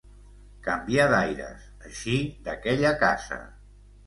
Canviar d'aires, eixir d'aquella casa.